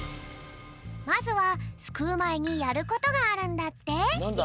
まずはすくうまえにやることがあるんだって。